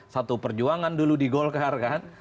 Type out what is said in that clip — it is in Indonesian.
satu perjuangan dulu di golkar kan